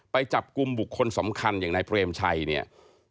ไปจับกลุ่มบุคคลสำคัญอย่างนายเปรมชัยเนี่ย